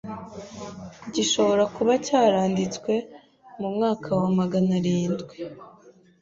gishobora kuba cyaranditswe mu mwaka wa maganarindwi